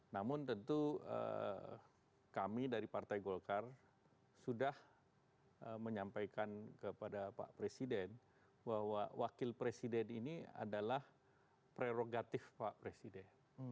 namun tentu kami dari partai golkar sudah menyampaikan kepada pak presiden bahwa wakil presiden ini adalah prerogatif pak presiden